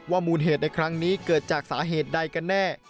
มูลเหตุในครั้งนี้เกิดจากสาเหตุใดกันแน่